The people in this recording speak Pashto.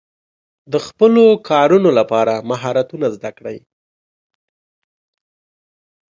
د خپلو کارونو لپاره مهارتونه زده کړئ.